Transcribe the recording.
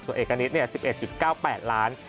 ส่วนเอกณิต๑๑๙๘ล้าน